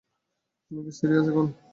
তুমি কি সিরিয়াস এখন?